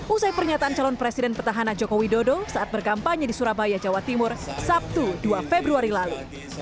usai pernyataan calon presiden petahana jokowi dodo saat berkampanye di surabaya jawa timur sabtu dua februari lalu